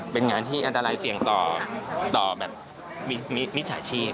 เป็นงานที่อันตรายเสี่ยงต่อแบบมิจฉาชีพ